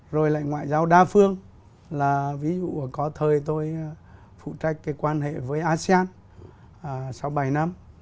rồi lại ngoại giao đa phương là ví dụ có thời tôi phụ trách cái quan hệ với asean sau bảy năm